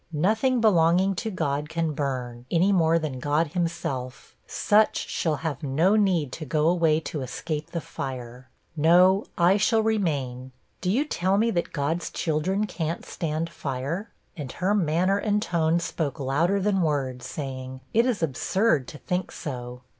Nothing belonging to God can burn, any more than God himself; such shall have no need to go away to escape the fire! No, I shall remain. Do you tell me that God's children can't stand fire?' And her manner and tone spoke louder than words, saying, 'It is absurd to think so!'